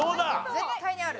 絶対にある。